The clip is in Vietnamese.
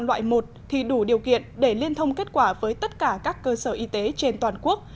loại một thì đủ điều kiện để liên thông kết quả với tất cả các cơ sở y tế trên toàn quốc